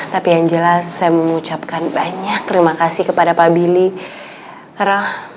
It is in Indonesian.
tapi yang jelas saya mengucapkan banyak terima kasih kepada pak billy